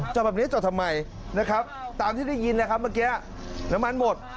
จอดแบบนี้จอดทำไมนะครับตามที่ได้ยินนะครับเมื่อกี้น้ำมันหมด